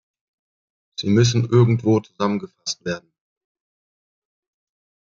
Sie müssen irgendwo zusammengefasst werden.